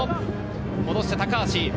戻して、高足。